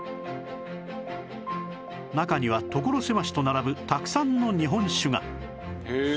中には所狭しと並ぶたくさんの日本酒がへえ。